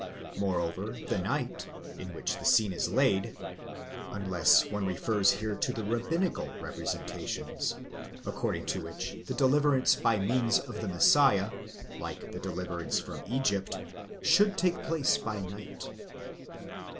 !9 Moreover the night, in which the scene is laid, —/(unless one refers here to the rabbinical representations, according to which, the deliverance by means of the Messiah, like the deliverance from Egypt, should take place by night